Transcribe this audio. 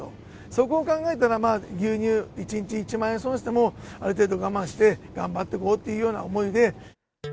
そこを考えたら、牛乳１日１万円損しても、ある程度我慢して頑張っていこうというような思いで。